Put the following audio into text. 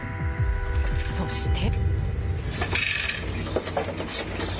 そして。